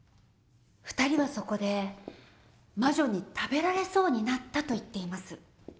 ２人はそこで魔女に食べられそうになったと言っています。